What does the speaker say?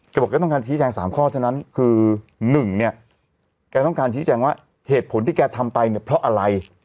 บอกแกต้องการชี้แจง๓ข้อเท่านั้นคือ๑เนี่ยแกต้องการชี้แจงว่าเหตุผลที่แกทำไปเนี่ยเพราะอะไร